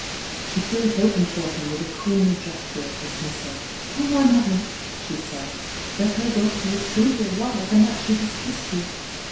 She threw it open for him with a queenly gesture of dismissal. . y^}^ ™y mother," she said, "that her daughter !t *•■,,^,*['^^'^'^*'^ she has kissed you!